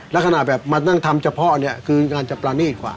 และขนาดแบบมานั่งทำเฉพาะนี้คือการจับปลานี่อีกกว่า